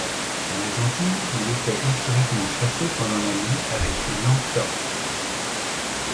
Dans les Antilles, il était, historiquement, chassé pendant la nuit avec une lampe torche.